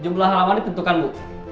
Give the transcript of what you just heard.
jumlah halaman ditentukan bu